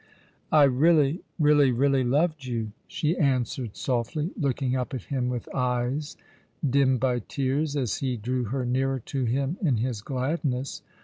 " "I really — really — really loved you," she answered softly, looking up at him with eyes dimmed by tears, as he drew her nearer to him in his gladness.